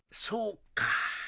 そうか。